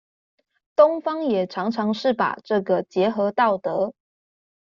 東方也常常是把這個結合道德